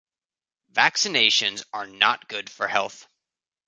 Vaccinations are not good for health.